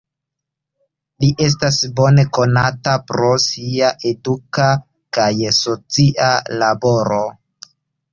Li estas bone konata pro sia eduka kaj socia laboro.